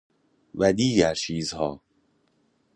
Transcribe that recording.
و دیگرچیزها